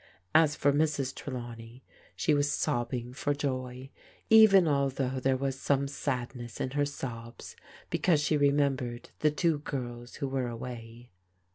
As for Mrs. Trelawney, she was sobbing for joy, even although there was some sadness in her sobs because she remembered the two girls who were away.